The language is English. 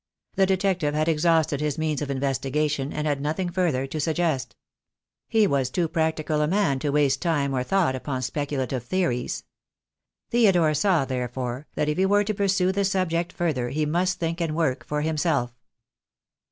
The detective had exhausted his means of investigation, and had nothing further to suggest. THE DAY WILL COME. 57 He was too practical a man to waste time or thought upon speculative theories. Theodore saw, therefore, that if he were to pursue the subject further he must think and work for himself.